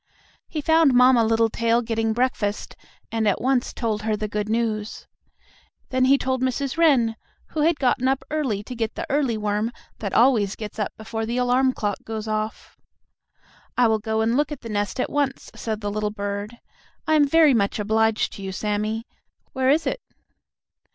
He found Mamma Littletail getting breakfast, and at once told her the good news. Then he told Mrs. Wren, who had gotten up early to get the early worm that always gets up before the alarm clock goes off. "I will go and look at the nest at once," said the little bird. "I am very much obliged to you, Sammie. Where is it?"